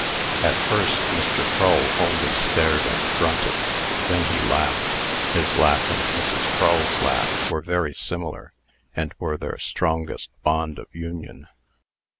At first, Mr. Crull only stared and grunted. Then he laughed (his laugh and Mrs. Crull's laugh were very similar, and were their strongest bond of union).